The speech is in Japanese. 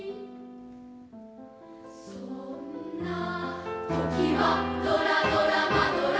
「そんな時は、ドラドラマドラ！